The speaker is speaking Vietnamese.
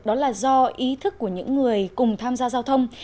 đó là do ý thức của những người cùng tham gia giao thông